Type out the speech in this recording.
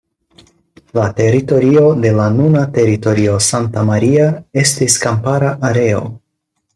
La teritorio de la nuna teritorio Santa Maria estis kampara areo.